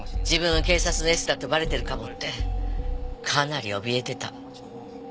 自分が警察のエスだとバレてるかもってかなりおびえてた。